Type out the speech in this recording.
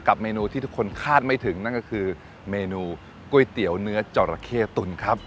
เมนูที่ทุกคนคาดไม่ถึงนั่นก็คือเมนูก๋วยเตี๋ยวเนื้อจอราเข้ตุ๋นครับ